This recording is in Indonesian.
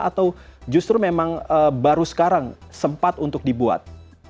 atau justru memang baru sekarang sempat untuk dibuat